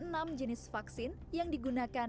sehingga kalau diberikan vaksin vaksinnya juga bisa diadakan